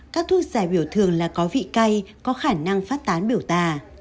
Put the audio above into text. các thuốc giải biểu thường là có vị cay có khả năng phát tán biểu tà